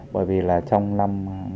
bởi vì là trong năm